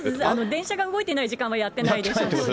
電車が動いてない時間はやってないでしょうし。